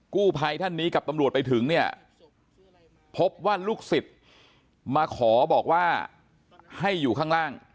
กู้ภัยท่านนี้กับตำรวจไปถึงเนี่ยพบว่าลูกศิษย์มาขอบอกว่าให้อยู่ข้างล่าง